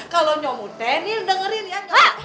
kalau nyomot teh nih dengerin ya